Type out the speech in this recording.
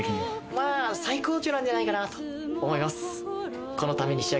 まぁ最高値なんじゃないかなと思います。